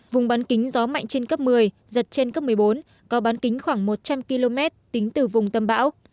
vùng bán kính gió mạnh trên cấp một mươi giật trên cấp một mươi bốn có bán kính khoảng một trăm linh km tính từ vùng tâm bão